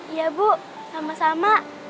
iya bu sama sama